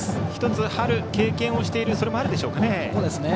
１つ春経験をしているのもあるでしょうかね。